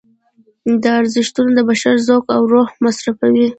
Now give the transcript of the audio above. دا ارزښتونه د بشر ذوق او روح مصرفوي.